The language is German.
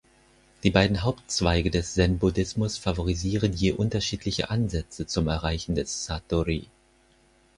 Die beiden Hauptzweige des Zen-Buddhismus favorisieren je unterschiedliche Ansätze zum Erreichen des Satori.